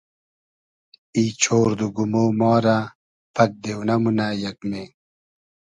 ای چۉرد و گومۉ ما رۂ پئگ دېونۂ مونۂ یئگمې